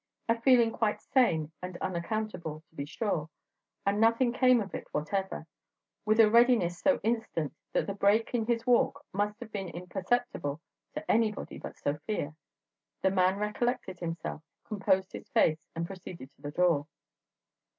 A feeling quite insane and unaccountable, to be sure; and nothing came of it whatever. With a readiness so instant that the break in his walk must have been imperceptible to anybody but Sofia, the man recollected himself, composed his face, and proceeded to the door.